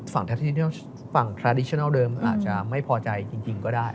ฝั่งธนิยมและธนิฐเดิมอาจจะไม่พอใจจริงก็ได้